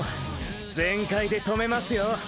全開で止めますよォ！！